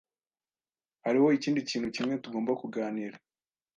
Hariho ikindi kintu kimwe tugomba kuganira.